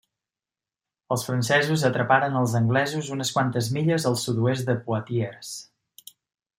Els francesos atraparen els anglesos unes quantes milles al sud-oest de Poitiers.